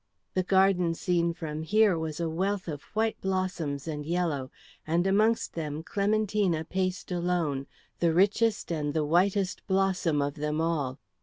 The garden seen from here was a wealth of white blossoms and yellow, and amongst them Clementina paced alone, the richest and the whitest blossom of them all.